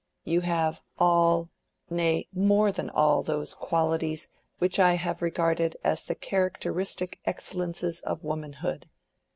You have all—nay, more than all—those qualities which I have ever regarded as the characteristic excellences of womanhood.